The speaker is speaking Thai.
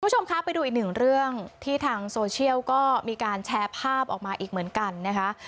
คุณผู้ชมคะไปดูอีกหนึ่งเรื่องที่ทางโซเชียลก็มีการแชร์ภาพออกมาอีกเหมือนกันนะคะ